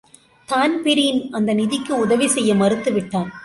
Dan Breen அந்த நிதிக்கு உதவி செய்ய மறுத்து விட்டான்.